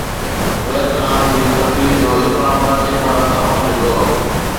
Vietnam جي سفير جو Islamabad chamber of commerce جو دورو